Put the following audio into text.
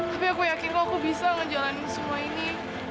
tapi aku yakin kok aku bisa ngejalanin semua ini